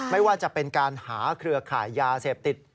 ไม่ว่าจะเป็นการหาเครือข่ายยาเสพติด